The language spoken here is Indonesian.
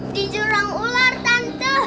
di jurang ular tante